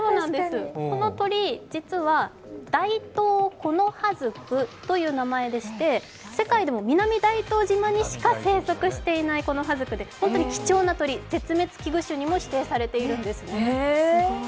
この鳥、実はダイトウコノハズクという名前でして、世界でも南大東島にしか生息していないコノハズクで本当に貴重な鳥、絶滅危惧種にも指定されているんです。